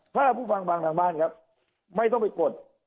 ถ้าพูดบางทางบ้านครับไม่ต้องไปกด